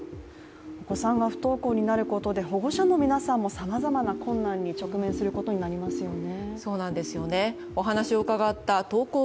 お子さんが不登校になることで保護者の皆さんもさまざまな困難に直面することになりますよね。